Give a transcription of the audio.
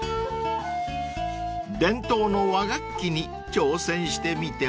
［伝統の和楽器に挑戦してみては？］